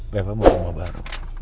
reva mau ke rumah baru